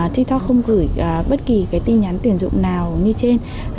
tiktok không gửi bất kỳ cái tin nhắn tuyển dụng nào như trên